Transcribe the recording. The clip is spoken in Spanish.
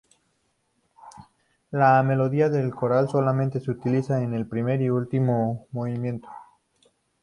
La melodía del coral solamente se utiliza en el primer y último movimientos.